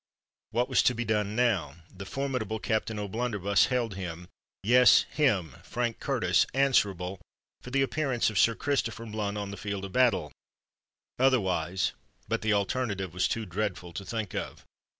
What was to be done now? The formidable Captain O'Blunderbuss held him—yes, him—Frank Curtis—answerable for the appearance of Sir Christopher Blunt on the field of battle; otherwise——but the alternative was too dreadful to think of!